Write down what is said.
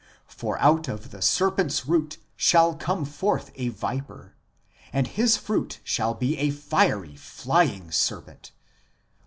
for out of the serpent s root shall come forth a viper, and his fruit shall be a fiery flying serpent (lit.